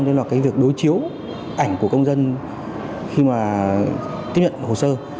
nên là cái việc đối chiếu ảnh của công dân khi mà tiếp nhận hồ sơ